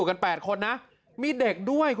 นั่นแหละครับ